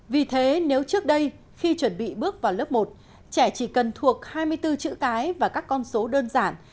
vì thế nếu trước đây khi chuẩn bị bước vào lớp một trẻ chỉ cần thuộc hai mươi bốn chữ cái và các con số đơn giản